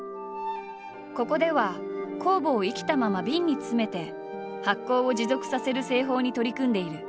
ここでは酵母を生きたままビンに詰めて発酵を持続させる製法に取り組んでいる。